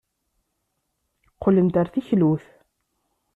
Qqlent ɣer teklut.